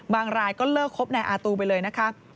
รายก็เลิกคบนายอาตูไปเลยนะคะ